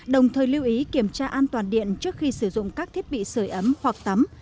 đồng thời lưu ý kiểm tra an toàn điện trước khi sử dụng các thiết bị sửa ấm hoặc tắm